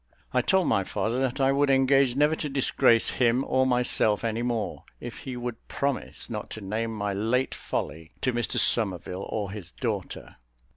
I told my father that I would engage never to disgrace him or myself any more, if he would promise not to name my late folly to Mr Somerville or his daughter.